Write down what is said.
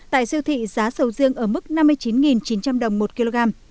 tại siêu thị giá sầu riêng ở mức năm mươi chín chín trăm linh đồng một kg